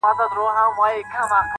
تا پخپله جواب کړي وسیلې دي.!